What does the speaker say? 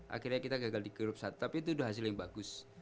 akhirnya kita gagal di grup satu tapi itu sudah hasil yang bagus